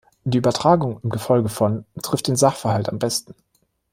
Die Übertragung "im Gefolge von" trifft den Sachverhalt am besten.